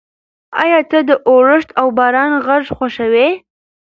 ایا ته د اورښت او باران غږ خوښوې؟